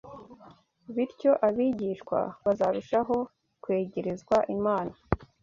bityo abigishwa bazarushaho kwegerezwa Imana